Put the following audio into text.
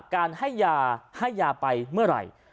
การให้ยาให้ยาไปเมื่อไหร่